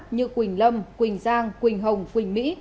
như quỳnh lâm quỳnh giang quỳnh hồng quỳnh mỹ